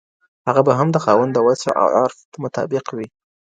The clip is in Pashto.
هغه به هم د خاوند د وسع او عرف مطابق وي.